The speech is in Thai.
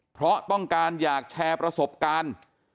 เพราะต้องการอยากแชร์ประสบการณ์